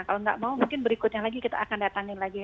kalau nggak mau mungkin berikutnya lagi kita akan datangin lagi